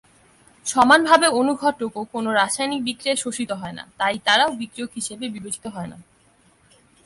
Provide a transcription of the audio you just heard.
সমানভাবে অনুঘটক ও কোন রাসায়নিক বিক্রিয়ায় শোষিত হয়না তাই তারাও বিক্রিয়ক হিসাবে বিবেচিত হয়না।